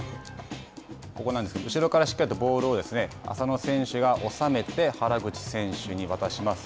ここなんですけど、後ろからしっかりとボールを浅野選手がおさめて原口選手に渡します。